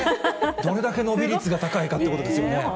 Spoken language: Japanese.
どれだけ伸び率が高いかってことですよね。